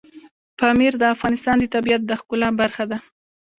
پامیر د افغانستان د طبیعت د ښکلا برخه ده.